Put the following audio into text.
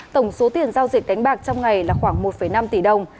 tổng số tiền giao dịch đánh bạc trong ngày là khoảng một năm tỷ đồng